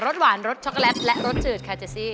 สหวานรสช็อกโกแลตและรสจืดคาเจซี่